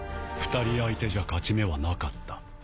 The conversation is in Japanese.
２人相手じゃ勝ち目はなかった。